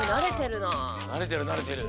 なれてるなれてる。